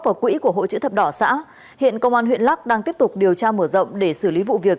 phần của hội chữ thập đỏ xã hiện công an huyện lắk đang tiếp tục điều tra mở rộng để xử lý vụ việc